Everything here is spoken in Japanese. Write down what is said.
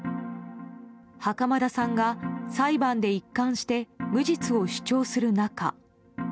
袴田さんが裁判で一貫して無実を主張する中。